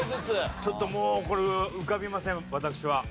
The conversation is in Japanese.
ちょっともうこれ浮かびません私は。